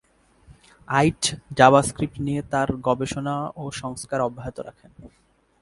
আইচ JavaScript নিয়ে তার গবেষণা ও সংস্কার অব্যাহত রাখেন।